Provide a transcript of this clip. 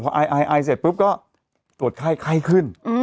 พอไอเสร็จปุ๊บก็ตวดไข้ไข้ขึ้น